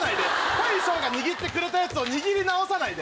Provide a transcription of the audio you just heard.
大将が握ってくれたやつを握り直さないで！